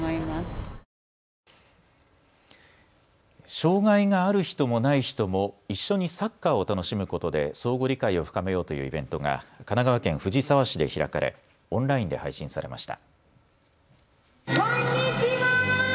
障害がある人もない人も一緒にサッカーを楽しむことで相互理解を深めようというイベントが神奈川県藤沢市で開かれオンラインで配信されました。